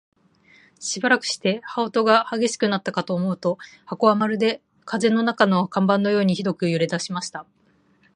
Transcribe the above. しばらくして、羽音が烈しくなったかと思うと、箱はまるで風の中の看板のようにひどく揺れだしました。